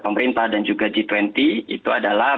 pemerintah dan juga g dua puluh itu adalah